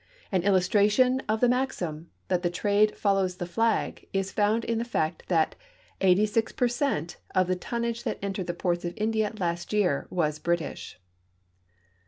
An illustration of the maxim that the trade follows the flag is found in the fact that SG per cent of the tonnage that entered the ports of India last year was British.